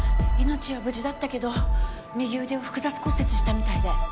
命は無事だったけど右腕を複雑骨折したみたいで。